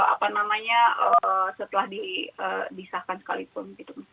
apa namanya setelah disahkan sekalipun gitu